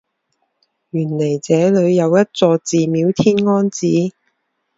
原来这里有一座寺庙天安寺。